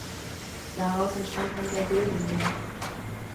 Daraus entstand dann der Wildenloh.